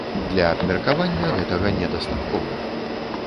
Для абмеркавання гэтага недастаткова.